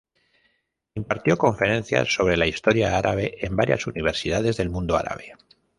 Impartió conferencias sobre la Historia árabe en varias universidades del mundo árabe.